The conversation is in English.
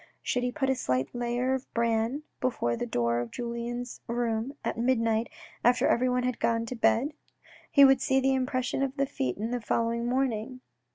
Should he put a slight layer of bran before the door of Julien's room at midnight after everyone had gone to bed ? He would see the impression of the feet in the following morning.